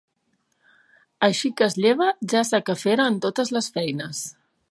Així que es lleva ja s'aquefera en totes les feines.